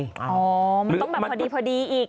มันต้องแบบพอดีอีก